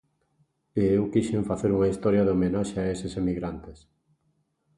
E eu quixen facer unha historia de homenaxe a eses emigrantes.